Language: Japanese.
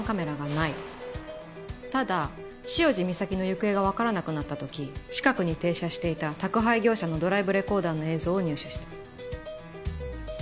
ただ潮路岬の行方がわからなくなった時近くに停車していた宅配業者のドライブレコーダーの映像を入手した。